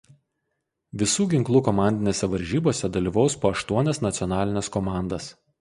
Visų ginklų komandinėse varžybose dalyvaus po aštuonias nacionalines komandas.